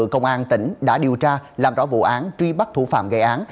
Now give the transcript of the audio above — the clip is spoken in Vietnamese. công an tỉnh đã điều tra làm rõ vụ án truy bắt thủ phạm gây án